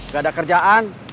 gak ada kerjaan